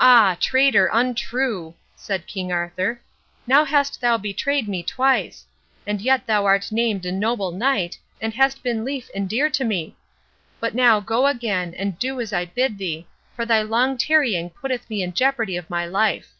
"Ah, traitor untrue!" said King Arthur, "now hast thou betrayed me twice. And yet thou art named a noble knight, and hast been lief and dear to me. But now go again, and do as I bid thee, for thy long tarrying putteth me in jeopardy of my life."